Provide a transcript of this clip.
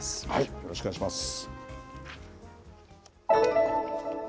よろしくお願いします。